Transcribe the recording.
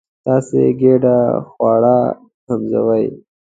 ستاسې ګېډه خواړه هضموي.